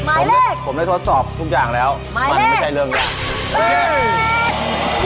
หมายเลขผมได้ทดสอบทุกอย่างแล้วมันไม่ใช่เรื่องแรก